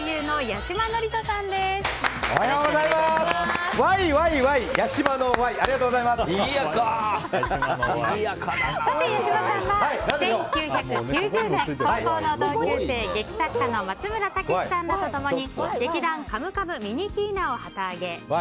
八嶋さんは１９９０年高校の同級生劇作家の松村武さんらと共に劇団カムカムミニキーナを旗揚げ。